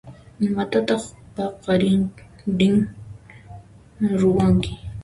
Imatataq paqarinri ruwanki?